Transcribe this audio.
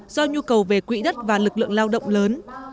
do nhu cầu về quỹ đất và lực lượng lao động lớn